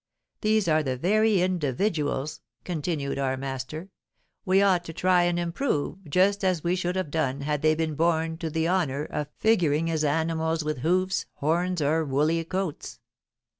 These are the very individuals,' continued our master, 'we ought to try and improve, just as we should have done had they been born to the honour of figuring as animals with hoofs, horns, or woolly coats.